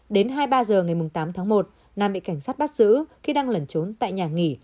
đến hai mươi ba h ngày tám tháng một nam bị cảnh sát bắt giữ khi đang lẩn trốn tại nhà nghỉ